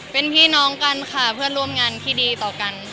เป็นพี่น้องกันค่ะเพื่อนร่วมงานที่ดีต่อกัน